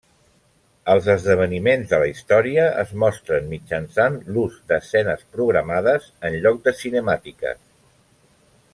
Els esdeveniments de la història es mostren mitjançant l’ús d’escenes programades en lloc de cinemàtiques.